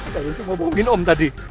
kalian cuma bohongin om tadi